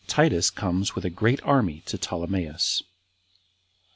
Titus Comes With A Great Army To Ptolemais.